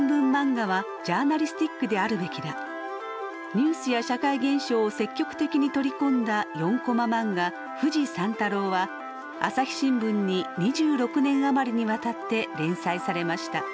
ニュースや社会現象を積極的に取り込んだ４コマ漫画「フジ三太郎」は朝日新聞に２６年余りにわたって連載されました。